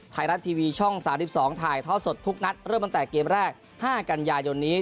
ไทยรัฐทีวีช่อง๓๒ถ่ายท่อสดทุกนัดเริ่มตั้งแต่เกมแรก๕กันยายนนี้